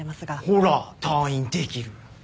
ほら退院できる。